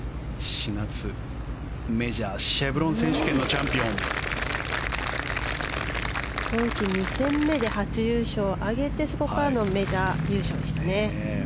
４月、メジャーシェブロン選手権のチャンピオン。今季２戦目で初優勝を挙げてそこからのメジャー優勝でしたね。